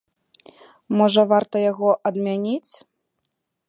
Можа, варта яго адмяніць?